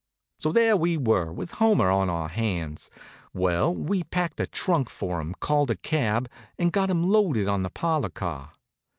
So there we were, with Homer on our hands. Well, we packed a trunk for him, called a cab, and got him loaded on a parlor car.